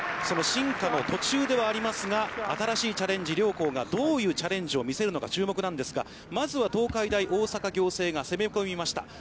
その進化の途中ではありますが、新しいチャレンジ、両校がどういうチャレンジを見せるのか注目なんですが、まずは東海大大阪仰星が攻め込みました。